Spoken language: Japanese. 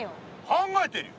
考えてるよ！